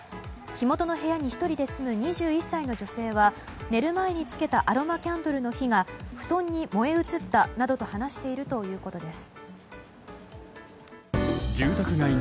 火元の部屋に１人で住む２１歳の女性は寝る前につけたアロマキャンドルの火が布団に燃え移ったなどと話しているということです。